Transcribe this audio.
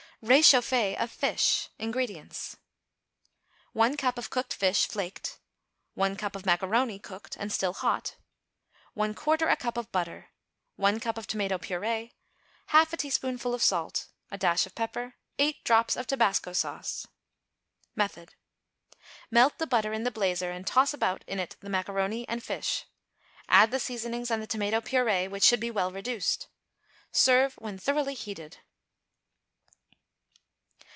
=Réchauffé of Fish.= INGREDIENTS. 1 cup of cooked fish, flaked. 1 cup of macaroni, cooked, and still hot. 1/4 a cup of butter. 1 cup of tomato purée. 1/2 a teaspoonful of salt. Dash of pepper. 8 drops of tobasco sauce. Method. Melt the butter in the blazer and toss about in it the macaroni and fish; add the seasonings and the tomato purée, which should be well reduced. Serve when thoroughly heated.